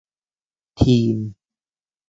ทีม